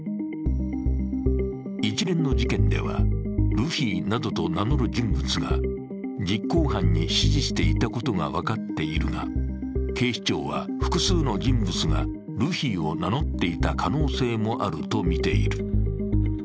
一連の事件では、ルフィなどと名乗る人物が実行犯に指示していたことが分かっているが警視庁は複数の人物がルフィを名乗っていた可能性もあるとみている。